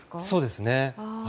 そうですね。